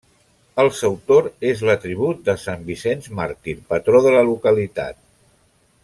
El sautor és l'atribut de sant Vicenç màrtir, patró de la localitat.